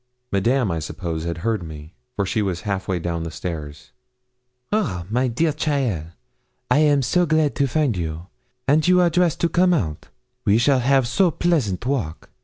Madame, I suppose, had heard me, for she was half way down the stairs. 'Ah, my dear Cheaile, I am so glad to find you, and you are dress to come out. We shall have so pleasant walk.'